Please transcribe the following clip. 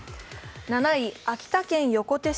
７位、秋田県横手市。